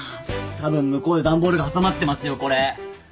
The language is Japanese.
たぶん向こうで段ボールが挟まってますよこれ。